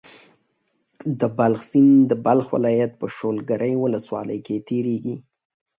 د بلخاب سيند د بلخ ولايت په شولګرې ولسوالۍ کې تيريږي.